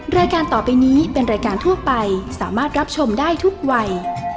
รายการต่อไปนี้เป็นรายการทั่วไปสามารถรับชมได้ทุกวัย